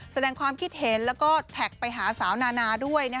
แสดงความคิดเห็นแล้วก็แท็กไปหาสาวนานาด้วย